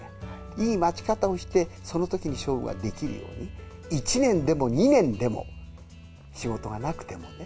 いい待ち方をして、そのときに勝負ができるように、１年でも２年でも、仕事がなくてもね。